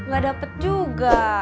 gak dapet juga